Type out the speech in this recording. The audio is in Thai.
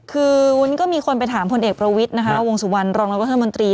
คือวุ้นก็มีคนไปถามพลเอกประวิทย์นะคะวงสุวรรณรองรัฐมนตรี